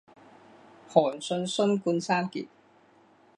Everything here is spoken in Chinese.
韩信勋冠三杰。